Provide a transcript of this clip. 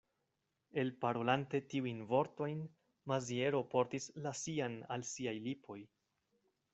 Elparolante tiujn vortojn, Maziero portis la sian al siaj lipoj.